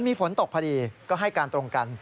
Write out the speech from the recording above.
มีฝนตกพอดีก็ให้การตรงกัน